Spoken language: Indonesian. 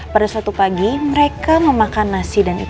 pada suatu pagi mereka memakan nasi dan ikan